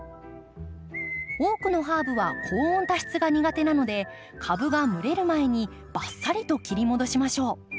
多くのハーブは高温多湿が苦手なので株が蒸れる前にバッサリと切り戻しましょう。